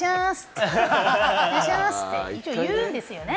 お願いしますって、一応言うんですよね。